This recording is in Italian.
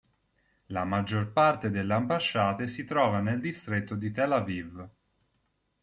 La maggior parte delle ambasciate si trova nel distretto di Tel Aviv.